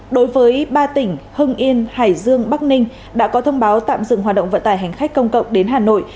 đối với ba tỉnh hưng yên hải dương bắc ninh đã có thông báo tạm dừng hoạt động vận tải hành khách công cộng đến hà nội